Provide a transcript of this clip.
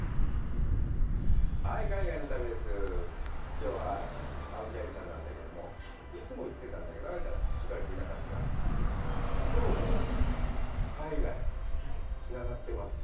きょうは青木愛ちゃんなんだけども、いつも言ってたんだけど、愛ちゃん、しばらくいなかったから、きょうの海外、つながってます。